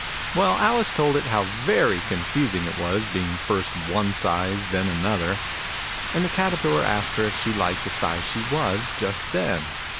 Well, Alice told it how very confusing it was, being first one size and then another. And the Caterpillar asked her if she liked the size she was, just then.